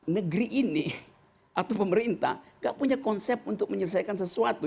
negeri ini atau pemerintah gak punya konsep untuk menyelesaikan sesuatu